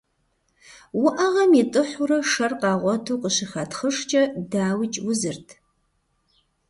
Уӏэгъэм итӏыхьурэ шэр къагъуэту къыщыхатхъыжкӏэ, дауикӏ, узырт.